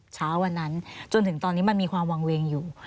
เช้าวันนั้นจนถึงตอนนี้มันมีความวางเวงอยู่